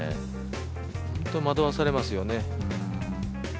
本当に惑わされますよね。